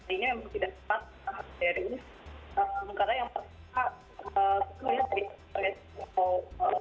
iya menurut kami tidak ada yang menyebutkan apa pun dari pembukaan ini